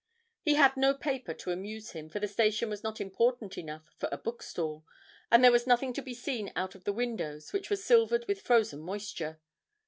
He had no paper to amuse him, for the station was not important enough for a bookstall, and there was nothing to be seen out of the windows, which were silvered with frozen moisture.